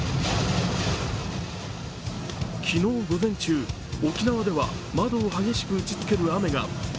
昨日午前中、沖縄では窓を激しく打ち付ける雨が。